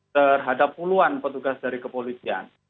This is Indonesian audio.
terhadap puluhan petugas dari kepolisian